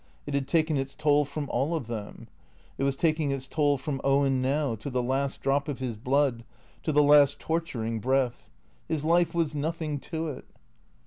It had taken its toll from all of them. It was taking its toll from Owen now, to the last drop of his blood, to the last torturing breath. His life was nothing to it.